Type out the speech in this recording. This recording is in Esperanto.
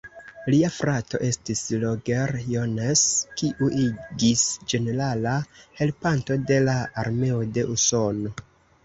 Lia frato estis Roger Jones, kiu igis ĝenerala helpanto de la armeo de Usono.